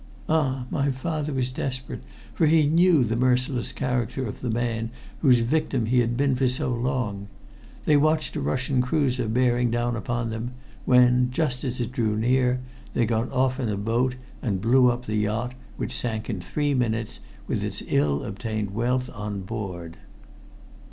Ah! my father was desperate, for he knew the merciless character of that man whose victim he had been for so long. They watched a Russian cruiser bearing down upon them, when, just as it drew near, they got off in a boat and blew up the yacht, which sank in three minutes with its ill obtained wealth on board."